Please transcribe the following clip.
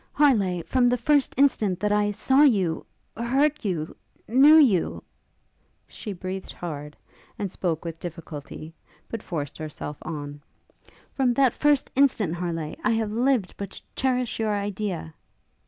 Harleigh! from the first instant that I saw you heard you knew you ' She breathed hard, and spoke with difficulty; but forced herself on. 'From that first instant, Harleigh! I have lived but to cherish your idea!'